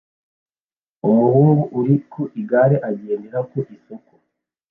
Umuhungu uri ku igare agendera ku isoko